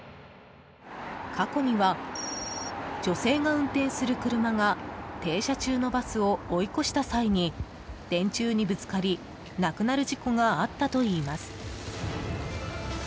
過去には、女性が運転する車が停車中のバスを追い越した際に電柱にぶつかり亡くなる事故があったといいます。